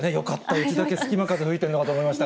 うちだけ隙間風吹いているのかと思いました。